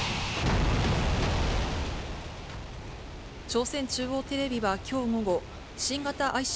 朝鮮中央テレビはきょう午後、新型ＩＣＢＭ